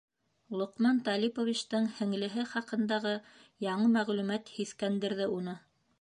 Лоҡман Талиповичтың һеңлеһе хаҡындағы яңы мәғлүмәт һиҫкәндерҙе уны.